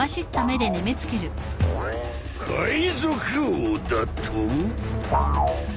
「海賊王」だと？